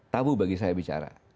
tabu bagi saya bicara